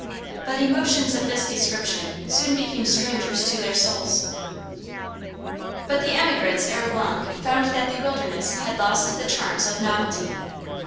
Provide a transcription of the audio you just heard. But emotions of this description soon became strangers to their souls. But the emigrants ere long found that the wilderness had lost the charms of novelty.